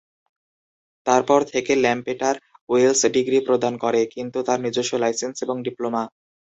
তারপর থেকে, ল্যাম্পেটার Wales degree প্রদান করে, কিন্তু তার নিজস্ব লাইসেন্স এবং ডিপ্লোমা।